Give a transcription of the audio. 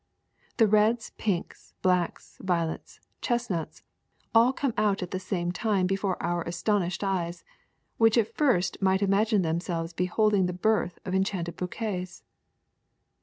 The reds, pinks, blacks, violets, chestnuts, all come out at the same time before our astonished eyes, which at first misrht ima2:ine themselves beholding the birth of enchanted bouquets.''